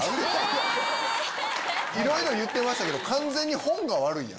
いろいろ言ってましたけど。